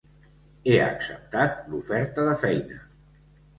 He acceptat l'oferta de feina.